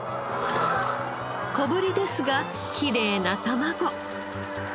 小ぶりですがきれいな卵。